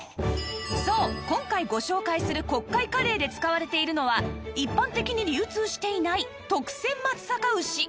そう今回ご紹介する国会カレーで使われているのは一般的に流通していない特選松阪牛